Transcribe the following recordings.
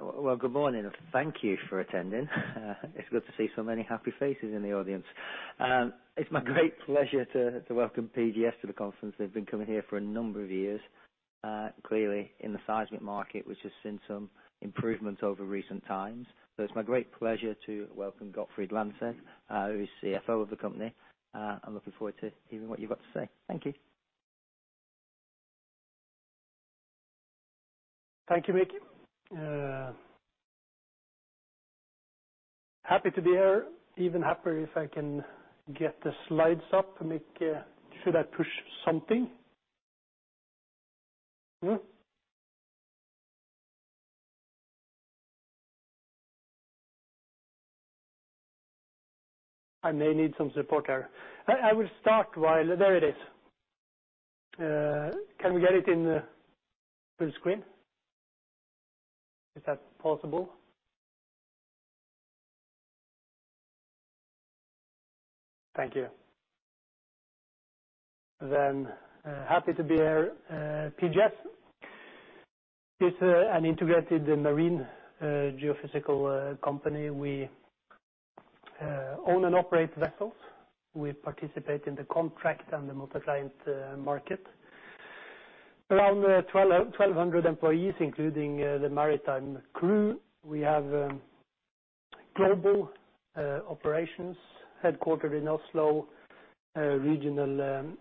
Well, good morning. Thank you for attending. It's good to see so many happy faces in the audience. It's my great pleasure to welcome PGS to the conference. They've been coming here for a number of years, clearly in the seismic market, which has seen some improvement over recent times. It's my great pleasure to welcome Gottfred Langseth, who is CFO of the company. I'm looking forward to hearing what you've got to say. Thank you. Thank you, Mick. Happy to be here. Even happier if I can get the slides up, Mick. Should I push something? No? I may need some support here. I will start. There it is. Can we get it in the full screen? Is that possible? Thank you. Happy to be here. PGS is an integrated marine geophysical company. We own and operate vessels. We participate in the contract and the multi-client market. Around 1,200 employees, including the maritime crew. We have global operations, headquartered in Oslo. Regional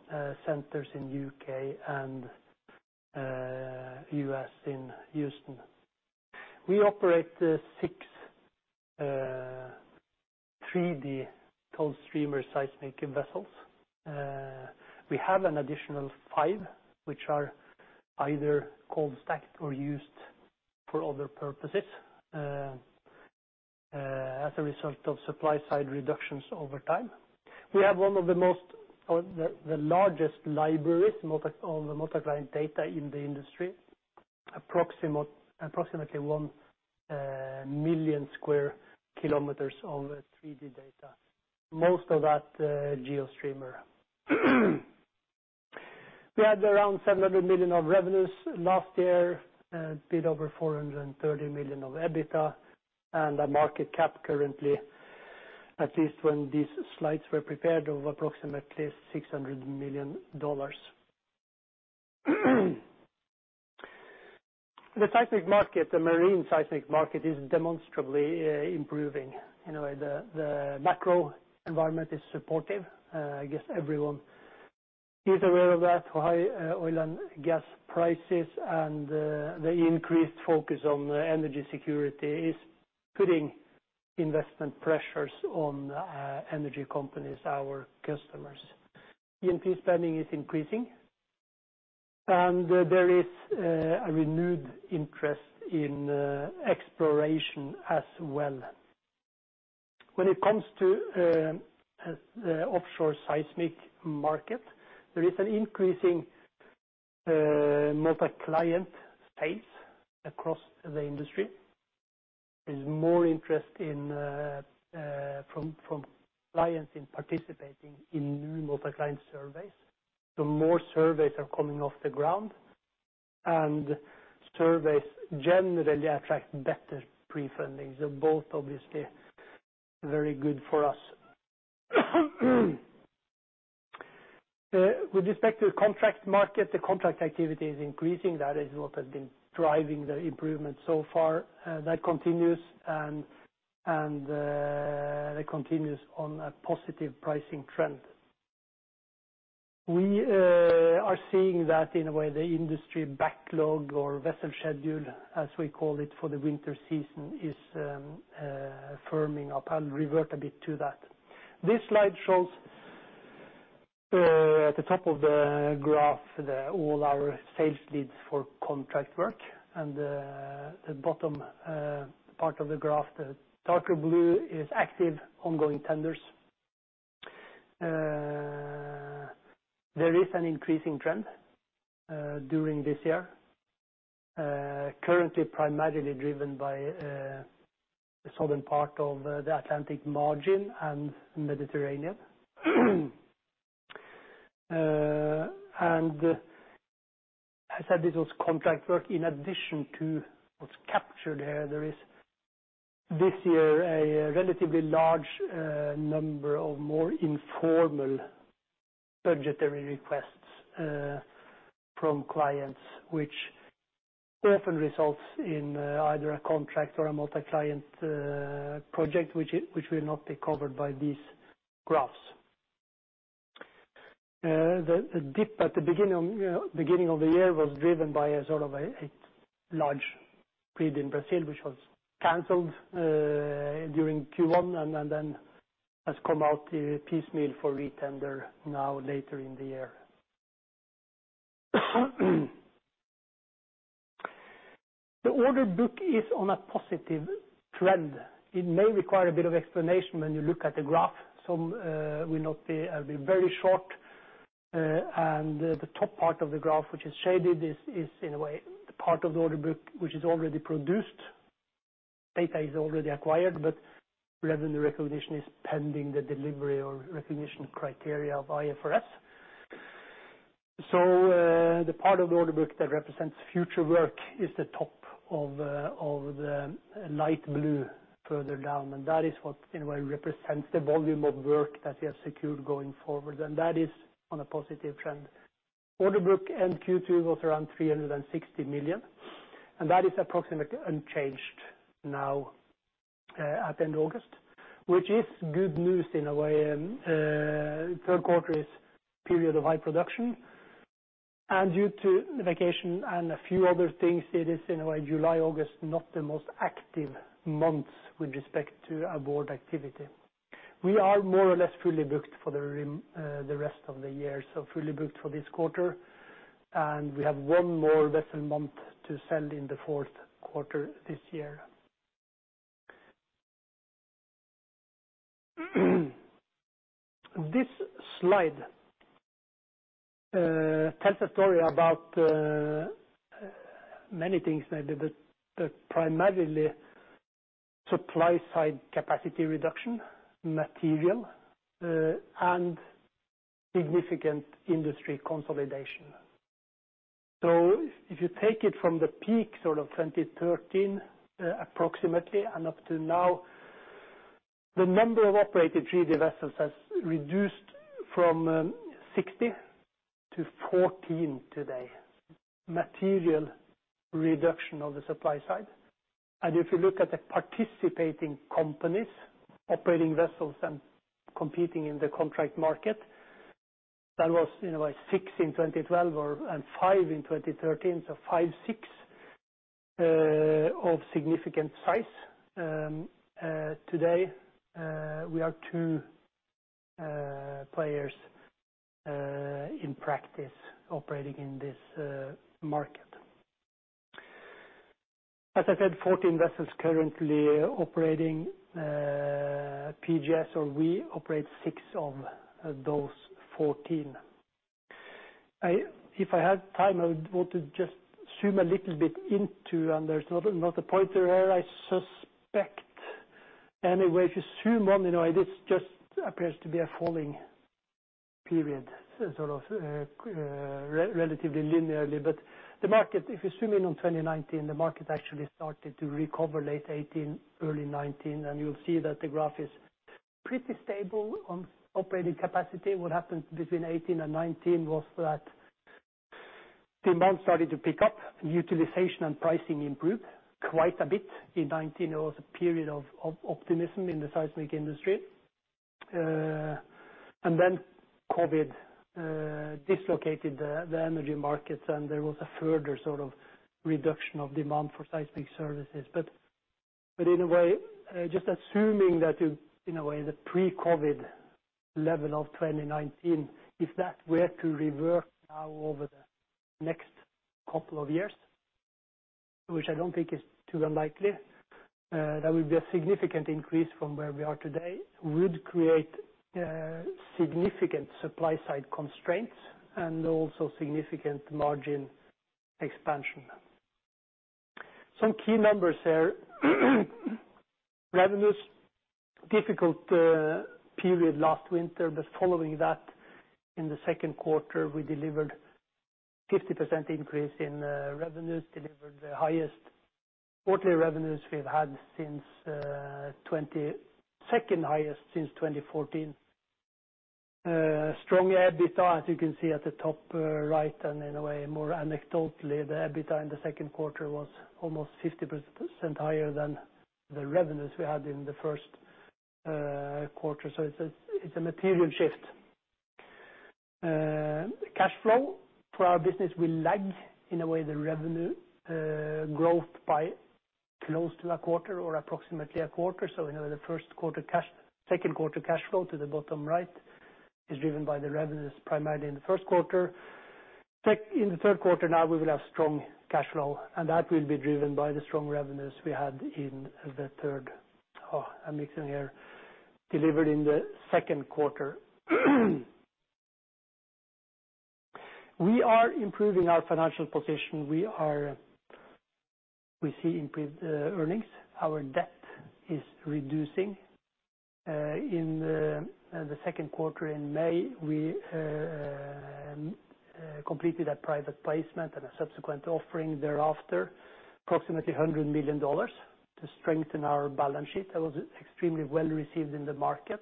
centers in U.K. and U.S., in Houston. We operate 6 3D towed streamer seismic vessels. We have an additional five, which are either cold stacked or used for other purposes, as a result of supply-side reductions over time. We have the largest libraries, multi-client, on the multi-client data in the industry. Approximately 1 million sq km of 3D data. Most of that GeoStreamer. We had around $700 million of revenues last year, a bit over $430 million of EBITDA, and a market cap currently, at least when these slides were prepared, of approximately $600 million. The seismic market, the marine seismic market, is demonstrably improving. In a way, the macro environment is supportive. I guess everyone is aware of that. High oil and gas prices and the increased focus on energy security is putting investment pressures on energy companies, our customers. E&P spending is increasing, and there is a renewed interest in exploration as well. When it comes to the offshore seismic market, there is an increasing multi-client space across the industry. There's more interest from clients in participating in new multi-client surveys. More surveys are coming off the ground, and surveys generally attract better pre-fundings. They're both obviously very good for us. With respect to the contract market, the contract activity is increasing. That is what has been driving the improvement so far. That continues on a positive pricing trend. We are seeing that in a way, the industry backlog or vessel schedule, as we call it, for the winter season is firming up. I'll revert a bit to that. This slide shows at the top of the graph all our sales leads for contract work, and the bottom part of the graph, the darker blue is active ongoing tenders. There is an increasing trend during this year, currently primarily driven by the southern part of the Atlantic margin and Mediterranean. I said this was contract work. In addition to what's captured here, there is this year a relatively large number of more informal budgetary requests from clients, which often results in either a contract or a multi-client project, which will not be covered by these graphs. The dip at the beginning of the year was driven by a sort of a large bid in Brazil, which was canceled during Q1 and then has come out piecemeal for re-tender now later in the year. The order book is on a positive trend. It may require a bit of explanation when you look at the graph. Some will not be very short. The top part of the graph, which is shaded, is in a way the part of the order book, which is already produced. Data is already acquired, but revenue recognition is pending the delivery or recognition criteria of IFRS. The part of the order book that represents future work is the top of the light blue further down, and that is what in a way represents the volume of work that we have secured going forward, and that is on a positive trend. Order book in Q2 was around $360 million, and that is approximately unchanged now at the end of August, which is good news in a way. Third quarter is a period of high production. Due to vacation and a few other things, it is in a way July, August not the most active months with respect to award activity. We are more or less fully booked for the rest of the year, so fully booked for this quarter, and we have one more vessel month to sell in the fourth quarter this year. This slide tells a story about many things that the primarily supply-side capacity reduction, material, and significant industry consolidation. If you take it from the peak, sort of 2013, approximately, and up to now, the number of operated 3D vessels has reduced from 60-14 today, material reduction of the supply side. If you look at the participating companies operating vessels and competing in the contract market, that was, you know, like six in 2012 and five in 2013, so five, six of significant size. Today, we are two players in practice operating in this market. As I said, 14 vessels currently operating, PGS or we operate six of those 14. If I had time, I would want to just zoom a little bit into, and there's not a pointer here, I suspect. Anyway, if you zoom on, you know, this just appears to be a falling period, so sort of relatively linearly. The market, if you zoom in on 2019, the market actually started to recover late 2018, early 2019, and you'll see that the graph is pretty stable on operating capacity. What happened between 2018 and 2019 was that demand started to pick up, utilization and pricing improved quite a bit. In 2019, there was a period of optimism in the seismic industry. COVID dislocated the energy markets, and there was a further sort of reduction of demand for seismic services. In a way, just assuming that in a way, the pre-COVID level of 2019, if that were to revert now over the next couple of years, which I don't think is too unlikely, that would be a significant increase from where we are today, would create significant supply-side constraints and also significant margin expansion. Some key numbers there. Revenues, difficult period last winter. Following that, in the second quarter, we delivered 50% increase in revenues, delivered the second highest quarterly revenues we've had since 2014. Strong EBITDA, as you can see at the top right, and in a way, more anecdotally, the EBITDA in the second quarter was almost 50% higher than the revenues we had in the first quarter. It's a material shift. Cash flow for our business will lag in a way the revenue growth by close to a quarter or approximately a quarter. Second quarter cash flow to the bottom right is driven by the revenues primarily in the first quarter. In the third quarter, now we will have strong cash flow, and that will be driven by the strong revenues we had in the third. I'm mixing here. Delivered in the second quarter. We are improving our financial position. We see improved earnings. Our debt is reducing. In the second quarter in May, we completed a private placement and a subsequent offering thereafter, approximately $100 million to strengthen our balance sheet. That was extremely well-received in the market,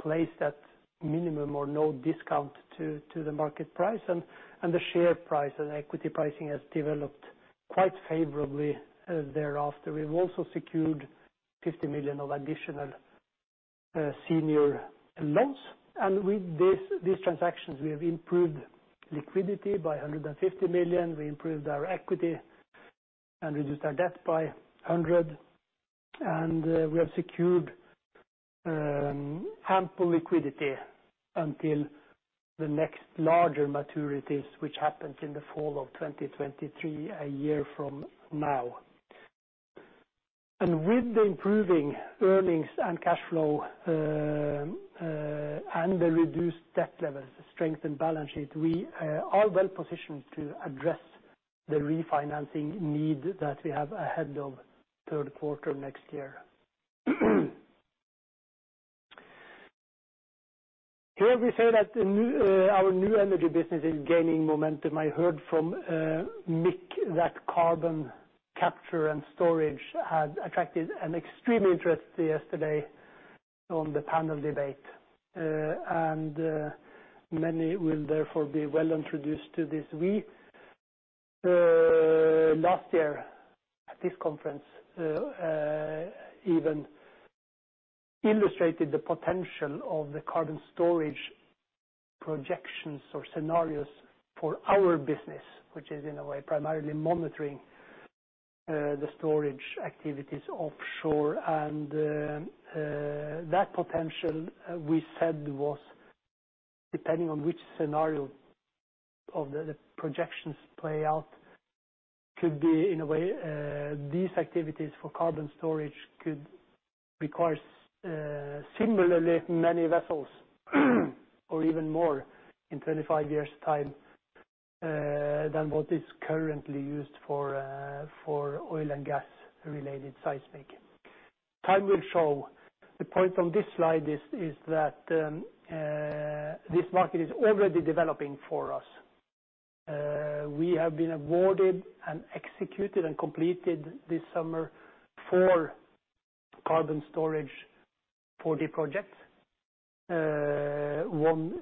placed at minimum or no discount to the market price. The share price and equity pricing has developed quite favorably thereafter. We've also secured $50 million of additional senior loans. With these transactions, we have improved liquidity by $150 million. We improved our equity and reduced our debt by $100. We have secured ample liquidity until the next larger maturities, which happens in the fall of 2023, a year from now. With the improving earnings and cash flow, and the reduced debt levels to strengthen balance sheet, we are well-positioned to address the refinancing need that we have ahead of third quarter next year. Here we say that the new, our New Energy business is gaining momentum. I heard from Mick that carbon capture and storage had attracted an extreme interest yesterday on the panel debate. Many will therefore be well introduced to this week. Last year at this conference, even illustrated the potential of the carbon storage projections or scenarios for our business, which is in a way, primarily monitoring, the storage activities offshore. That potential, we said was depending on which scenario of the projections play out could be in a way, these activities for carbon storage could require similarly many vessels or even more in 25 years' time than what is currently used for oil and gas related seismic. Time will show. The point on this slide is that this market is already developing for us. We have been awarded and executed and completed this summer four carbon storage 4D projects. One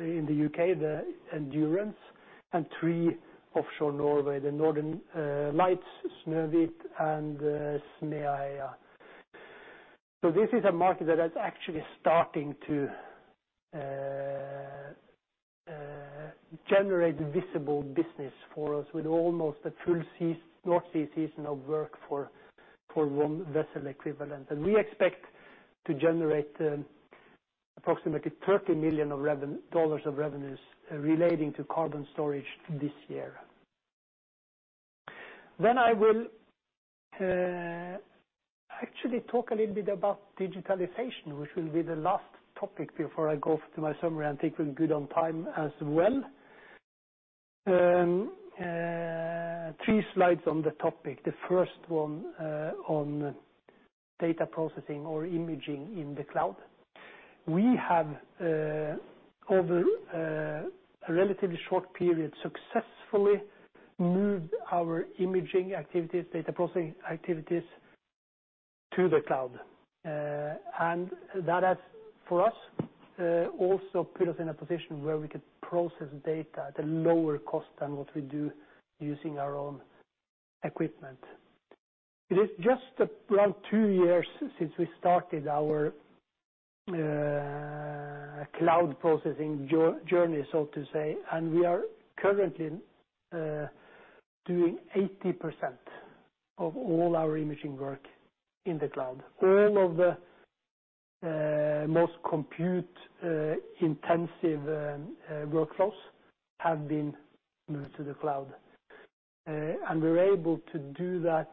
in the U.K., the Endurance, and three offshore Norway, the Northern Lights, Snøhvit, and Smeaheia. This is a market that is actually starting to generate visible business for us with almost a full North Sea season of work for one vessel equivalent. We expect to generate approximately $30 million dollars of revenues relating to carbon storage this year. I will actually talk a little bit about digitalization, which will be the last topic before I go to my summary, and I think we're good on time as well. Three slides on the topic. The first one on data processing or imaging in the cloud. We have over a relatively short period successfully moved our imaging activities, data processing activities to the cloud. That has for us also put us in a position where we could process data at a lower cost than what we do using our own equipment. It is just around two years since we started our cloud processing journey, so to say, and we are currently doing 80% of all our imaging work in the cloud. All of the most compute intensive workflows have been moved to the cloud. We're able to do that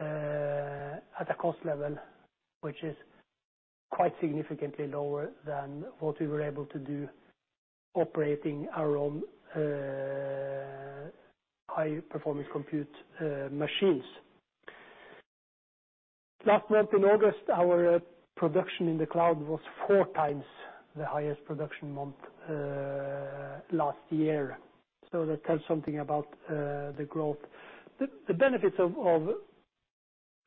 at a cost level, which is quite significantly lower than what we were able to do operating our own high-performance compute machines. Last month in August, our production in the cloud was 4x the highest production month last year. That tells something about the growth. The benefits of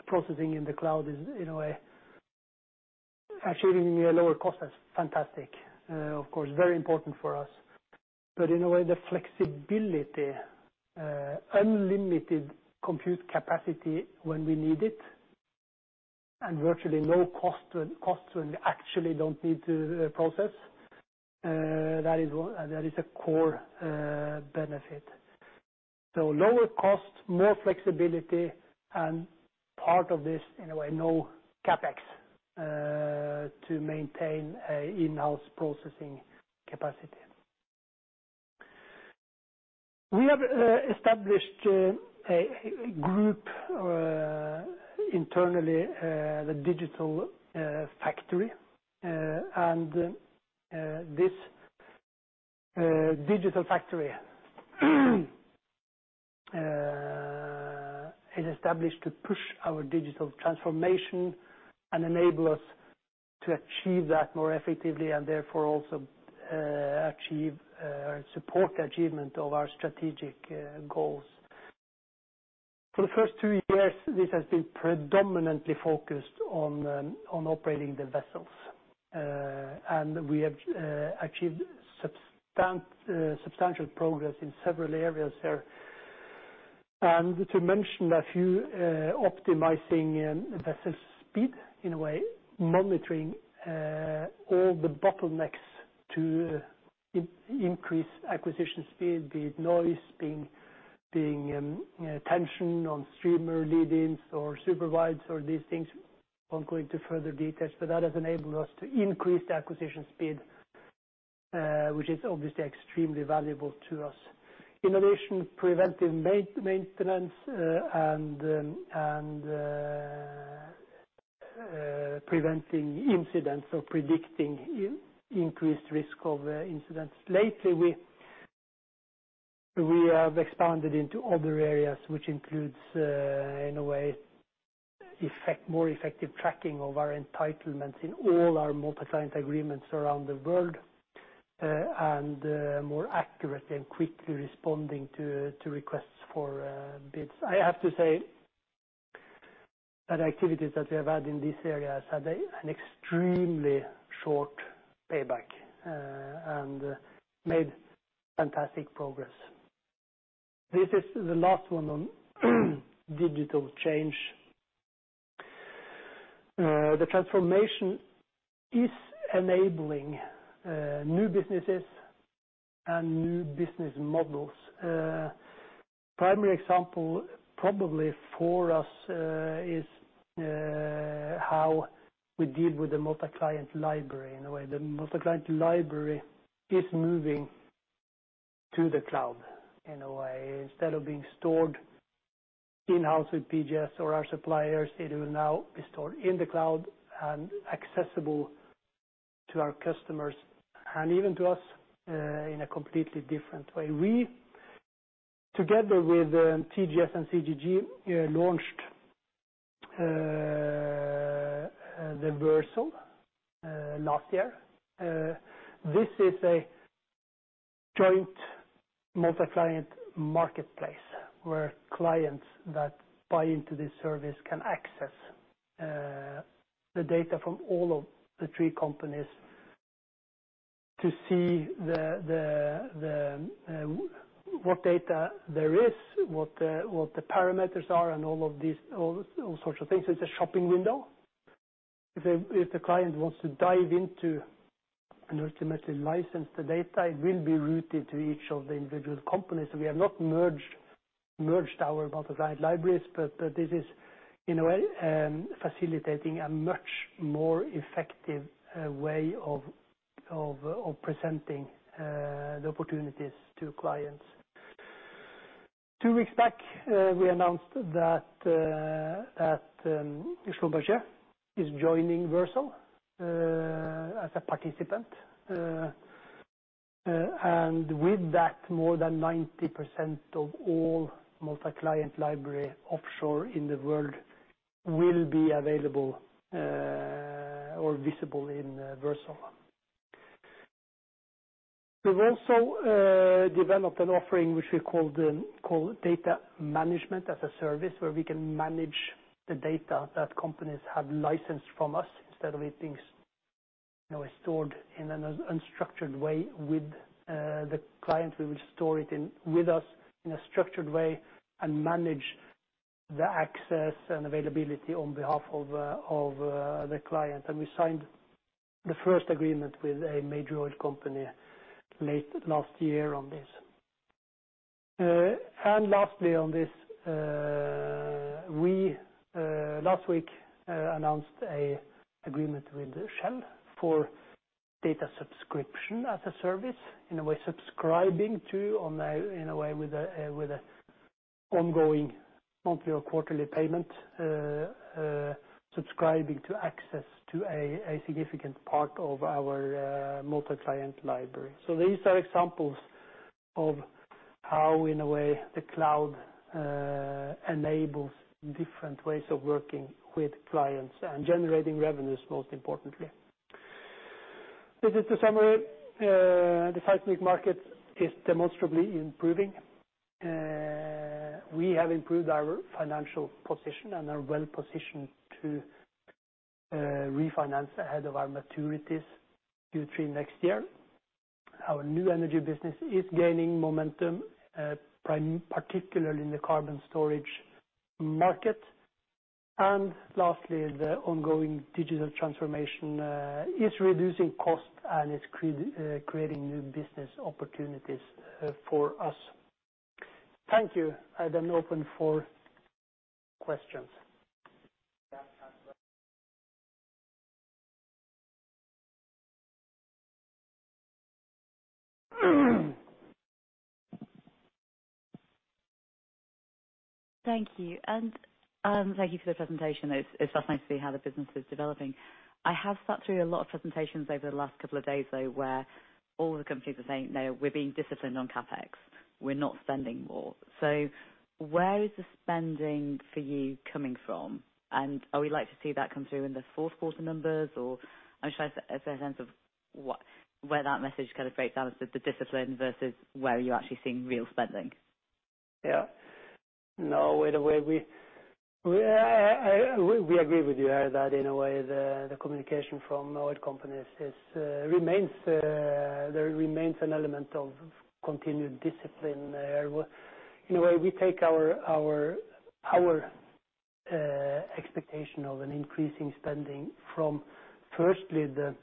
processing in the cloud is in a way, actually giving me a lower cost. That's fantastic. Of course, very important for us. In a way, the flexibility, unlimited compute capacity when we need it and virtually no cost when we actually don't need to process, that is a core benefit. Lower cost, more flexibility, and part of this in a way, no CapEx to maintain an in-house processing capacity. We have established a group internally, the Digital Factory. This Digital Factory is established to push our digital transformation and enable us to achieve that more effectively and therefore also support the achievement of our strategic goals. For the first two years, this has been predominantly focused on operating the vessels. We have achieved substantial progress in several areas there. To mention a few, optimizing vessel speed in a way, monitoring all the bottlenecks to increase acquisition speed, be it noise, you know, tension on streamer lead-ins or super wides or these things. I won't go into further details, but that has enabled us to increase the acquisition speed, which is obviously extremely valuable to us. Innovation, preventive maintenance and preventing incidents or predicting increased risk of incidents. Lately, we have expanded into other areas, which includes, in a way, more effective tracking of our entitlements in all our multi-client agreements around the world. And more accurate and quickly responding to requests for bids. I have to say that activities that we have had in this area has had an extremely short payback and made fantastic progress. This is the last one on digital change. The transformation is enabling new businesses and new business models. Primary example probably for us is how we deal with the multi-client library, in a way. The multi-client library is moving to the cloud, in a way. Instead of being stored in-house with PGS or our suppliers, it will now be stored in the cloud and accessible to our customers and even to us in a completely different way. We together with TGS and CGG launched the Versal last year. This is a joint multi-client marketplace where clients that buy into this service can access the data from all of the three companies to see what data there is, what the parameters are, and all of these, all sorts of things. It's a shopping window. If the client wants to dive into and ultimately license the data, it will be routed to each of the individual companies. We have not merged our multi-client libraries, but this is in a way facilitating a much more effective way of presenting the opportunities to clients. Two weeks back we announced that Schlumberger is joining Versal as a participant. With that, more than 90% of all multi-client library offshore in the world will be available or visible in Versal. We've also developed an offering which we call Data Management as a Service, where we can manage the data that companies have licensed from us. Instead of it being, you know, stored in an unstructured way with the client, we will store it with us in a structured way and manage the access and availability on behalf of the client. We signed the first agreement with a major oil company late last year on this. We last week announced an agreement with Shell for data subscription as a service. In a way, with an ongoing monthly or quarterly payment, subscribing to access to a significant part of our multi-client library. These are examples of how, in a way, the cloud enables different ways of working with clients and generating revenues, most importantly. This is the summary. The seismic market is demonstrably improving. We have improved our financial position and are well-positioned to refinance ahead of our maturities Q3 next year. Our New Energy business is gaining momentum, particularly in the carbon storage market. Lastly, the ongoing digital transformation is reducing costs and is creating new business opportunities for us. Thank you. I then open for questions. Thank you. Thank you for the presentation. It's just nice to see how the business is developing. I have sat through a lot of presentations over the last couple of days, though, where all the companies are saying, "No, we're being disciplined on CapEx. We're not spending more." Where is the spending for you coming from? Are we likely to see that come through in the fourth quarter numbers? I'm just trying to get a sense of what, where that message kind of breaks down, the discipline versus where you are actually seeing real spending. No, in a way we agree with you, that in a way the communication from oil companies remains, there remains an element of continued discipline there. In a way, we take our expectation of an increasing spending from, firstly, the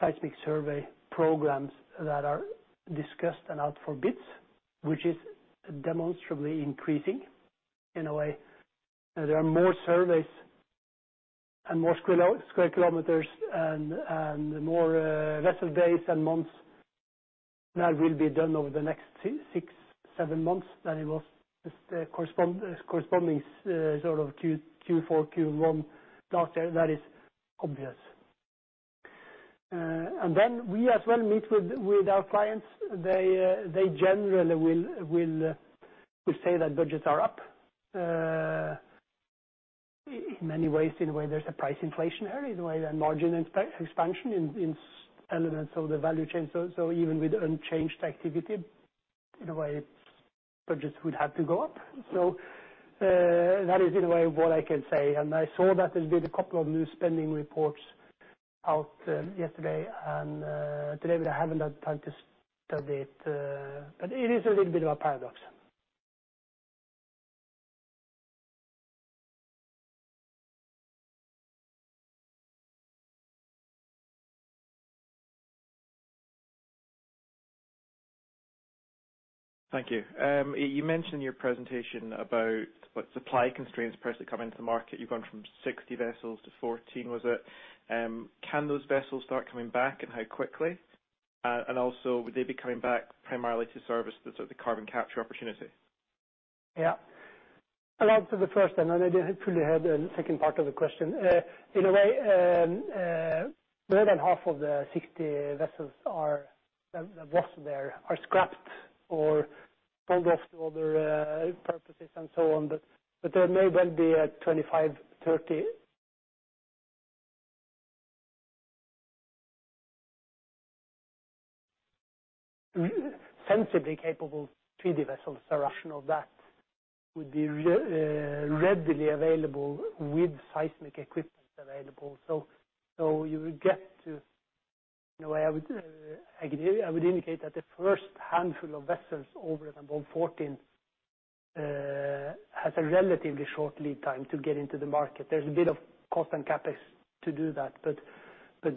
seismic survey programs that are discussed and out for bids, which is demonstrably increasing in a way. There are more surveys and more sq km and more vessel days and months that will be done over the next six-seven months than it was just corresponding sort of Q4, Q1 last year. That is obvious. We as well meet with our clients. They generally will say that budgets are up. In many ways, in a way, there's a price inflation era, in a way, the margin expansion in some elements of the value chain. Even with unchanged activity, in a way, budgets would have to go up. That is either way what I can say. I saw that there's been a couple of new spending reports out, yesterday and today. I haven't had time to study it, but it is a little bit of a paradox. Thank you. You mentioned in your presentation about what supply constraints will come into the market. You've gone from 60 vessels to 14, was it? Can those vessels start coming back, and how quickly? Also, would they be coming back primarily to service the sort of carbon capture opportunity? Yeah. I'll answer the first, and then if they had second part of the question. In a way, more than half of the 60 vessels are scrapped or sold off to other purposes and so on. There may well be 25, 30 sensibly capable 3D vessels. The rationale of that would be readily available with seismic equipment available. You would get to. In a way, I would indicate that the first handful of vessels over the number 14 has a relatively short lead time to get into the market. There's a bit of cost and CapEx to do that.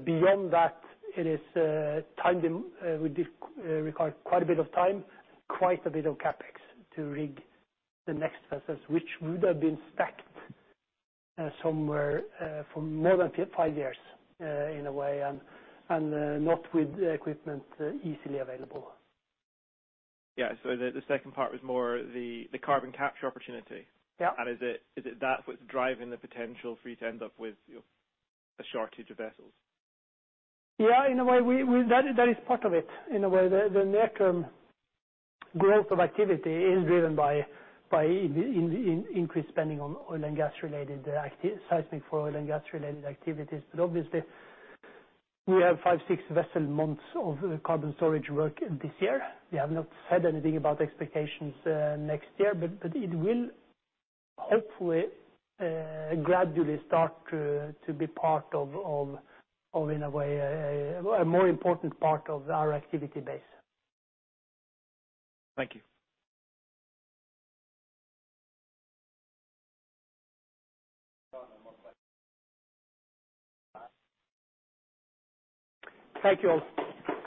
Beyond that, it would require quite a bit of time, quite a bit of CapEx to rig the next vessels which would have been stacked somewhere for more than five years, in a way, and not with the equipment easily available. Yeah. The second part was more the carbon capture opportunity. Yeah. Is it that what's driving the potential for you to end up with, you know, a shortage of vessels? Yeah, in a way. That is part of it. In a way, the near-term growth of activity is driven by increased spending on seismic for oil and gas related activities. Obviously we have five-six vessel months of carbon storage work this year. We have not said anything about expectations next year. It will hopefully gradually start to be part of in a way a more important part of our activity base. Thank you. Thank you all.